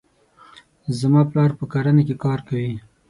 زما پلار په کرنې کې کار کوي.